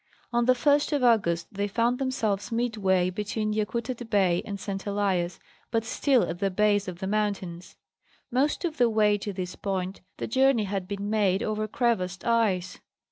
On the first of August they found themselves midway between Yakutat Bay and St. Elias, but still at the base of the mountains. Most of the way to this point the journey had been made over crevassed ice.